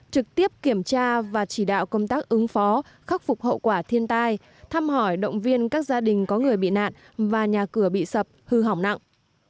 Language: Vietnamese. trực tiếp kiểm tra và chỉ đạo công tác ứng phó khắc phục hậu quả thiên tai thăm hỏi động viên các gia đình có người bị nạn và nhà cửa bị sập hư hỏng nặng